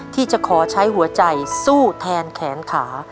ที่จะขอใช้หัวใจสู้แทนแขนขา